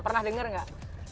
pernah dengar gak